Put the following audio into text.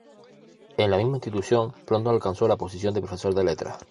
En la misma institución pronto alcanzó la posición de profesor de letras.